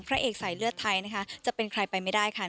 พระเอกสายเลือดไทยนะคะจะเป็นใครไปไม่ได้ค่ะ